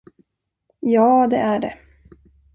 Ja, det är det.